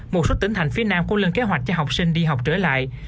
một số tỉnh thành phía nam cũng lên kế hoạch cho học sinh đi học trở lại